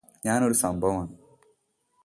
ഞാനൊരു സംഭവം ആണ്